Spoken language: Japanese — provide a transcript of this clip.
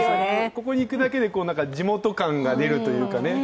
ここに行くだけで地元感が出るというかね。